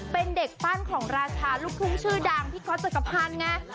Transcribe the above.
เป็นเด็กปั้นของราชาลูกทุ่งชื่อดังพี่ก๊อตจักรพันธ์ไง